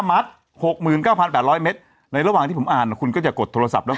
มัดหกหมื่นเก้าพันแปดร้อยเมตรในระหว่างที่ผมอ่านคุณก็จะกดโทรศัพท์แล้ว